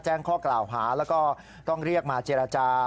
แจ้งข้อกล่าวหาแล้วก็ต้องเรียกมาเจรจา